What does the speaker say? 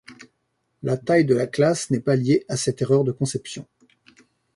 La taille de la classe n’est pas liée à cette erreur de conception.